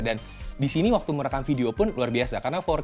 dan di sini waktu merekam video pun luar biasa karena empat k enam puluh fps